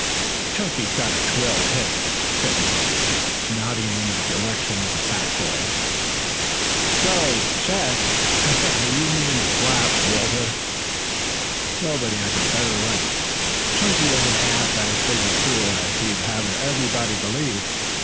"Chunky's got a swelled head," said Ned, nodding in the direction of the fat boy. "Swelled chest, you mean," laughed Walter. "Nobody has a better right. Chunky isn't half as big a fool as he'd have everybody believe.